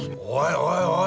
おいおい